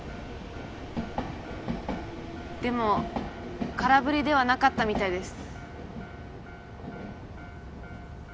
でも空振りではなかったみたいです。